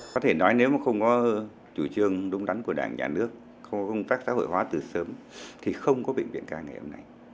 có thể nói nếu mà không có chủ trương đúng đắn của đảng nhà nước công tác xã hội hóa từ sớm thì không có bệnh viện ca ngày hôm nay